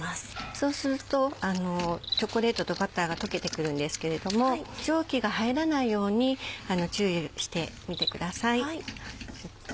そうするとチョコレートとバターが溶けてくるんですけれども蒸気が入らないように注意してみてください。